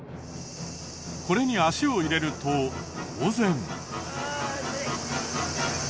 これに足を入れると当然。